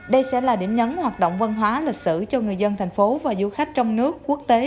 đây sẽ là điểm nhấn hoạt động văn hóa lịch sử cho người dân thành phố và du khách trong nước quốc tế